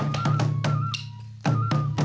สวัสดีครับ